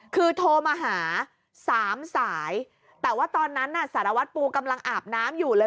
คือโทรมาหาสามสายแต่ว่าตอนนั้นน่ะสารวัตรปูกำลังอาบน้ำอยู่เลย